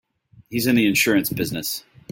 He's in the insurance business.